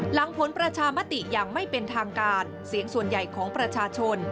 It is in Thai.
หลังผลประชามติอย่างไม่เป็นทางการเสียงส่วนใหญ่ของประชาชน